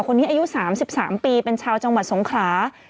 อายุ๓๓ปีเป็นชาวจังหวัดสงขลา